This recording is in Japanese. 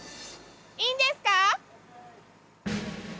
いいんですか？